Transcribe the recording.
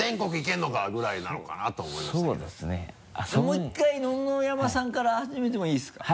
もう１回野々山さんから始めてもいいですか？